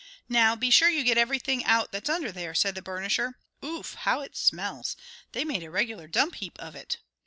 "Now, be sure you get everything out that's under there," said the burnisher. "Ouf! how it smells! They made a regular dump heap of it."